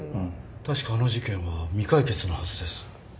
確かあの事件は未解決のはずです。